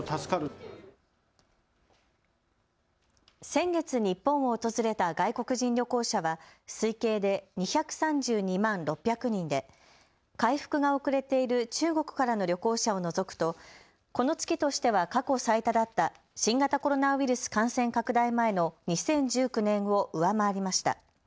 先月日本を訪れた外国人旅行者は推計で２３２万６００人で回復が遅れている中国からの旅行者を除くとこの月としては過去最多だった新型コロナウイルス感染拡大前の２０１９年を上回りました。